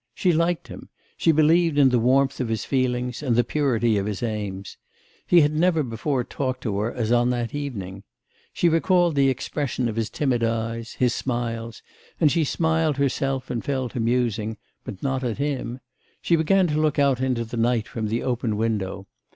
She liked him; she believed in the warmth of his feelings, and the purity of his aims. He had never before talked to her as on that evening. She recalled the expression of his timid eyes, his smiles and she smiled herself and fell to musing, but not of him. She began to look out into the night from the open window.